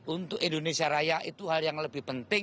untuk indonesia raya itu hal yang lebih penting